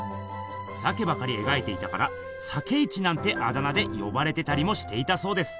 鮭ばかり描いていたから「鮭一」なんてあだ名でよばれてたりもしていたそうです。